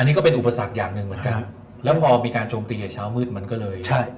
นี่ก็เป็นอุปสรรคอย่างหนึ่งเหมือนกันแล้วพอมีการโจมตีในเช้ามืดมันก็เลยใช่